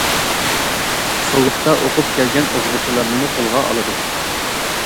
سوۋېتتا ئوقۇپ كەلگەن ئوقۇغۇچىلارنىمۇ قولغا ئالىدۇ.